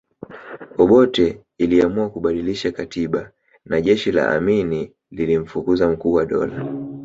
Obote iliamua kubadilisha katiba na jeshi la Amini lilimfukuza Mkuu wa Dola